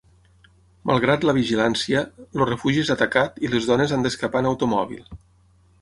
Malgrat la vigilància, el refugi és atacat i les dones han d'escapar en automòbil.